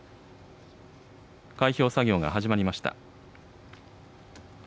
開票作業が始まりました。